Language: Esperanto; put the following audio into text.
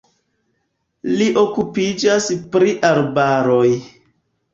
Li okupiĝas pri arbaroj.